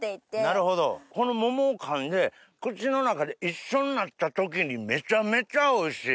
なるほどこの桃をかんで口の中で一緒になった時にめちゃめちゃおいしい。